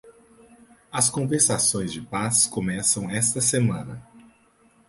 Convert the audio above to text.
As conversações de paz começam esta semana.